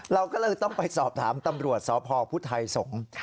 เราก็เลยต้องไปสอบถามตำรวจสพพุทธไทยสงฆ์